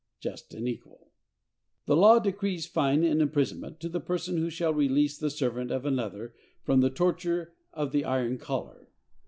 —Just and equal! The law decrees fine and imprisonment to the person who shall release the servant of another from the torture of the iron collar.